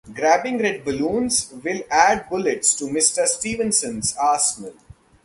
Grabbing red balloons will add bullets to Mr. Stevenson's arsenal.